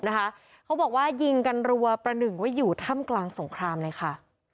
เขาบอกว่ายิงกันรัวประหนึ่งว่าอยู่ถ้ำกลางสงครามเลยค่ะ